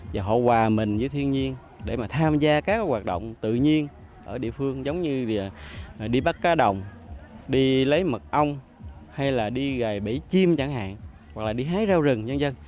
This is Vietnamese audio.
và họ hòa mình với thiên nhiên để mà tham gia các hoạt động tự nhiên ở địa phương giống như đi bắt cá đồng đi lấy mật ong hay là đi gài bể chim chẳng hạn hoặc là đi hái rau rừng nhân dân